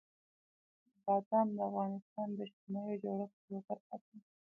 بادام د افغانستان د اجتماعي جوړښت یوه برخه ده.